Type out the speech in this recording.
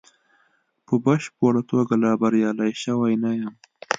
په بشپړه توګه لا بریالی شوی نه یم.